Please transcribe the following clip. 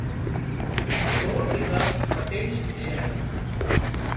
سور سڌا پٽيل نِي گھري آيا